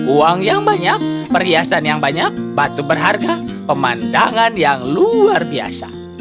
uang yang banyak perhiasan yang banyak batu berharga pemandangan yang luar biasa